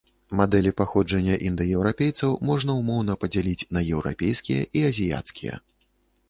Мадэлі паходжання індаеўрапейцаў можна ўмоўна падзяліць на еўрапейскія і азіяцкія.